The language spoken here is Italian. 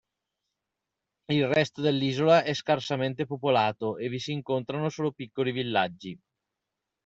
Il resto dell'isola è scarsamente popolato e vi si incontrano solo piccoli villaggi.